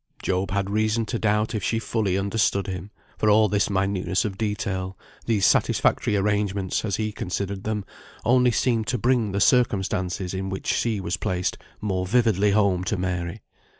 Job had reason to doubt if she fully understood him; for all this minuteness of detail, these satisfactory arrangements, as he considered them, only seemed to bring the circumstances in which she was placed more vividly home to Mary.